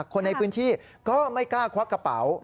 คนในพื้นที่ก็ไม่กล้าควักกระเป๋า